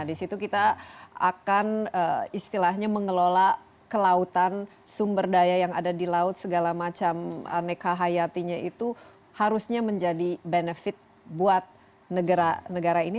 di situ kita akan istilahnya mengelola kelautan sumber daya yang ada di laut segala macam aneka hayatinya itu harusnya menjadi benefit buat negara negara ini